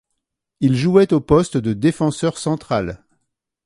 Il jouait au poste de défenseur central.